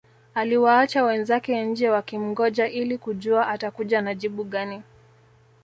Aliwaacha wenzake nje wakimngoja ili kujua atakuja na jibu gani